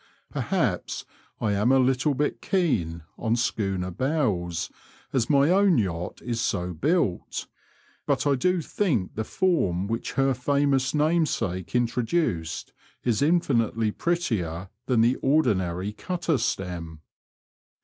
Perhaps 1 am a little bit *' keen " on schooner bows, as my own yacht is so built, but I do think the form which her famous namesake introduced is infinitely prettier than the ordinary cutter stem.